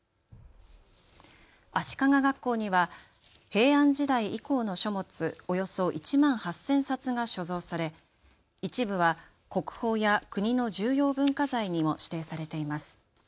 足利学校には平安時代以降の書物およそ１万８０００冊が所蔵され一部は国宝や国の重要文化財にも指定されています。